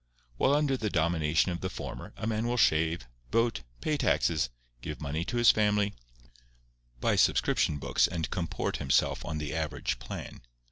While under the domination of the former a man will shave, vote, pay taxes, give money to his family, buy subscription books and comport himself on the average plan.